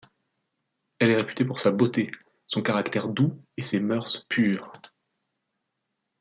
Elle est réputée pour sa beauté, son caractère doux et ses mœurs pures.